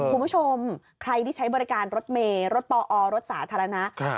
คุณผู้ชมใครที่ใช้บริการรถเมย์รถปอรถสาธารณะ